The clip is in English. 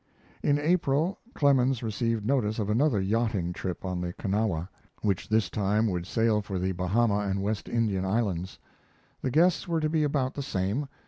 In April Clemens received notice of another yachting trip on the Kanawha, which this time would sail for the Bahama and West India islands. The guests were to be about the same.